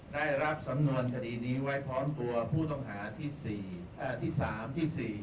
ได้รับสำนวนคดีนี้ไว้พร้อมตัวนี้นะครับ